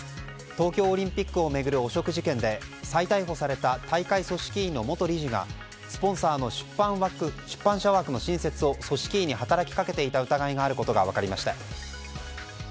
東京オリンピックを巡る汚職事件で再逮捕された大会組織委の元理事がスポンサーの出版社枠の新設を組織委に働きかけていた疑いがあることが分かりました。